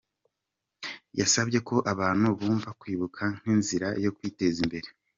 Yasabye ko abantu bumva kwibuka nk’inzira yo kwiteza imbere.